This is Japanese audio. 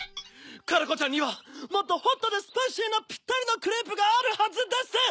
カラコちゃんにはもっとホットでスパイシーなピッタリのクレープがあるはずです！